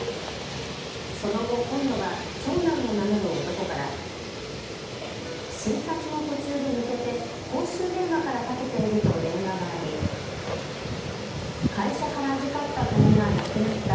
その後、今度は長男を名乗る男から診察の途中で抜けて公衆電話からかけていると電話があり会社から預かった金がなくなった。